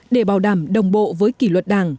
để bảo đảm đồng bộ với kỷ luật đảng